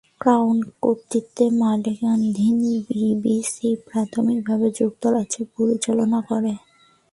Crown কর্তৃক মালিকানাধীন, BBC প্রাথমিকভাবে যুক্তরাজ্যে পরিচালনা করে।